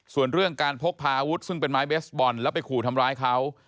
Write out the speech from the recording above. ส่วนเรื่องการพกพาอาวุธซึ่งเป็นไม้เบสบอลแล้วไปขู่ทำร้ายเขา